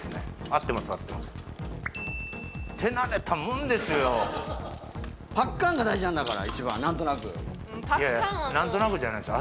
合ってます手慣れたもんですよパッカーン！が大事なんだから一番何となくいやいや何となくじゃないです